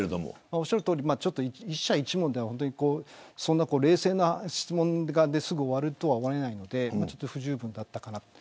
おっしゃるとおり１社１問というのは冷静な質問ですぐ終わるとは思えないので不十分だったかなと。